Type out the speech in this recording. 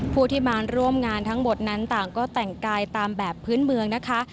ผู้ที่มาร่วมงานทั้งหมดนั้นต่างก็แต่งกายตามแบบพื้นเมืองนะคะ